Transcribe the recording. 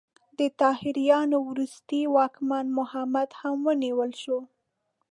د طاهریانو وروستی واکمن محمد هم ونیول شو.